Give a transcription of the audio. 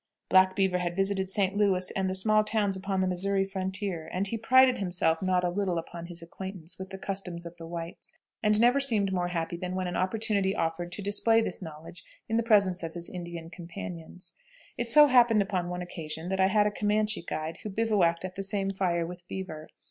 Black Beaver had visited St. Louis and the small towns upon the Missouri frontier, and he prided himself not a little upon his acquaintance with the customs of the whites, and never seemed more happy than when an opportunity offered to display this knowledge in presence of his Indian companions. It so happened, upon one occasion, that I had a Comanche guide who bivouacked at the same fire with Beaver.